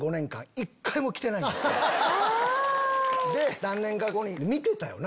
何年か後に「見てたよな？